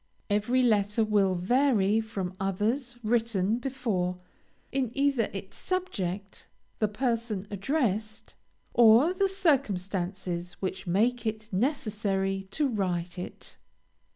Every letter will vary from others written before, in either its subject, the person addressed, or the circumstances which make it necessary to write it.